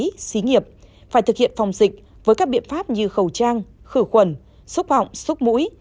y xí nghiệp phải thực hiện phòng dịch với các biện pháp như khẩu trang khử khuẩn xúc họng xúc mũi